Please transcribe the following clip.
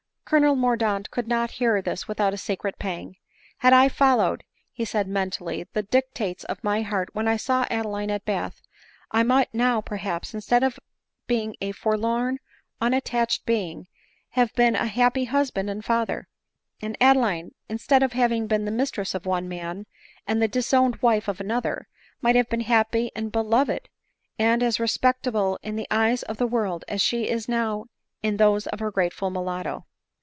Colonel Mordaunt could not hear this without a secret pang. " Had I followed," said he mentally, " the dic tates of my heart when I saw Adeline at Bath, I might ■^^ HP ADELINE MOWBRAY. 255 now, perhaps, instead of being a forlorn unattached being, have been a happy husband and father ; and Adeline, instead of having been the mistress of one man, and the disowned wife of another, might have been happy and beloved, and as respectable in the eyes of the world as she now is in those of her grateful mulatto."